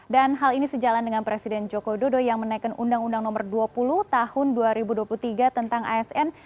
dan hal ini sejalan dengan presiden joko widodo yang menaikkan undang undang no dua puluh tahun dua ribu dua puluh tiga tentang asn